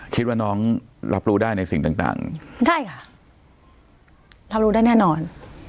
คิดว่าน้องรับรู้ได้ในสิ่งต่างได้ค่ะรับรู้ได้แน่นอน